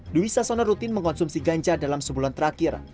dwi sasono rutin mengkonsumsi ganja dalam sebulan terakhir